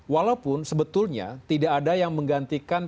walaupun sebetulnya tidak ada yang menggantikan